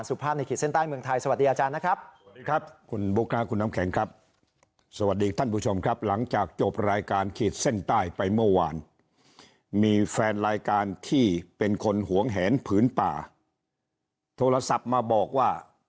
รายการขีดเส้นใต้ไปเมื่อวานมีแฟนรายการที่เป็นคนหวงแหนผืนป่าโทรศัพท์มาบอกว่า